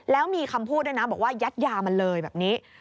แล้วมีคำพูดด้วยนะบอกว่ายัดยามันเลยแบบนี้